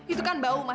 itu kan bau mas